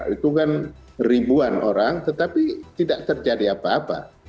itu kan ribuan orang tetapi tidak terjadi apa apa